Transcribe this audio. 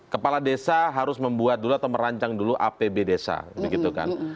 kepala desa harus membuat dulu atau merancang dulu apb desa begitu kan